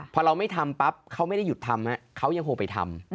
พอเราไม่ทำปั๊บเขาไม่ได้หยุดทำเขายังคงไปทำ